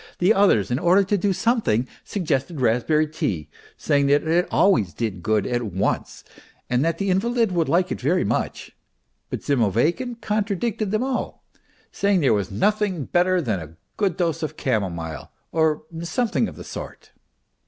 The others, in order to do something, suggested raspberry tea, saying that it always did good at once and that the invalid would like it very much; but Zimoveykin contradicted them all, saying there was nothing better than a good dose of camomile or something of the sort.